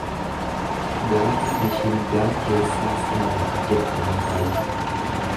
Gaafa mishingaa keessaa si hafe, jette hintalli.